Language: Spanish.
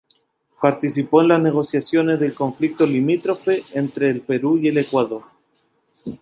Participó en los negociaciones del Conflicto limítrofe entre el Perú y el Ecuador.